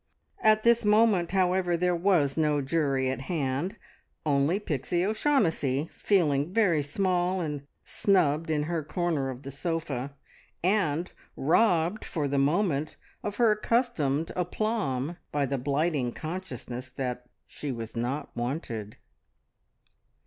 At this moment, however, there was no jury at hand only Pixie O'Shaughnessy, feeling very small and snubbed in her corner of the sofa, and robbed for the moment of her accustomed aplomb by the blighting consciousness that she was not wanted.